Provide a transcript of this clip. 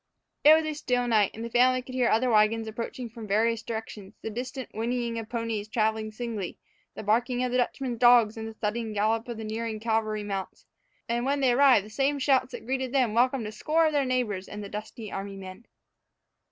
It was a still night, and the family could hear other wagons approaching from various directions, the distant whinnying of ponies traveling singly, the barking of the Dutchman's dogs, and the thudding gallop of the nearing cavalry mounts; and when they arrived the same shouts that greeted them welcomed a score of their neighbors and the dusty army men.